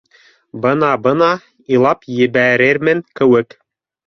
— Бына-бына илап ебәрермен кеүек